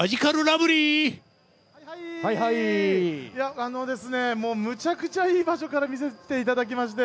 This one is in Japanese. あのですね、むちゃくちゃいい場所から見せていただきまして。